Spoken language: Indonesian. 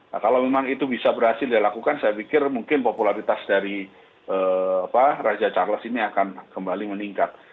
nah kalau memang itu bisa berhasil dilakukan saya pikir mungkin popularitas dari raja charles ini akan kembali meningkat